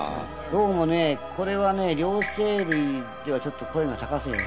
どうもね、これはね、両生類ではちょっと声が高すぎる。